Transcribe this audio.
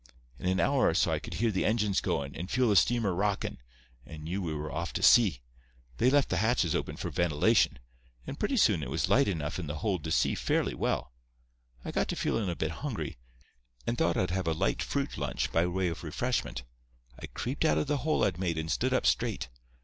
In an hour or so I could hear the engines goin', and feel the steamer rockin', and I knew we were off to sea. They left the hatches open for ventilation, and pretty soon it was light enough in the hold to see fairly well. I got to feelin' a bit hungry, and thought I'd have a light fruit lunch, by way of refreshment. I creeped out of the hole I'd made and stood up straight.